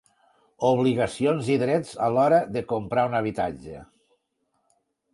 Obligacions i drets a l'hora de comprar un habitatge.